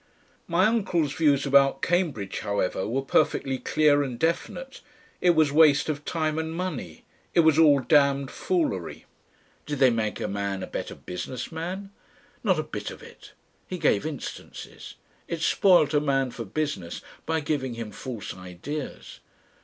My uncle's views about Cambridge, however, were perfectly clear and definite. It was waste of time and money. It was all damned foolery. Did they make a man a better business man? Not a bit of it. He gave instances. It spoilt a man for business by giving him "false ideas."